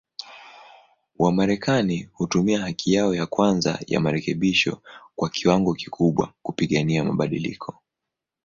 Wamarekani hutumia haki yao ya kwanza ya marekebisho kwa kiwango kikubwa, kupigania mabadiliko.